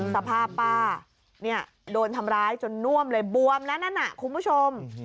สภาพป้าเนี่ยโดนทำร้ายจนน่วมเลยบวมแล้วนะคุณผู้ชม